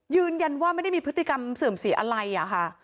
ยืนยันว่าไม่ได้มีพฤติกรรมเสื่อมเสียอะไรอะค่ะ